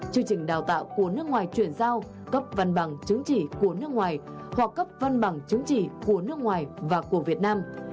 chương trình đào tạo của nước ngoài chuyển giao cấp văn bằng chứng chỉ của nước ngoài hoặc cấp văn bằng chứng chỉ của nước ngoài và của việt nam